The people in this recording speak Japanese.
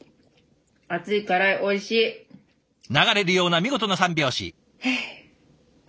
流れるような見事な三拍子。